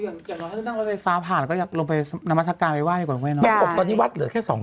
อยากที่แล้วด้านไฟฟ้าผ่านแล้วก็ลงไปน้ำมาสกาไปว่ายก่อนกว่าน้อง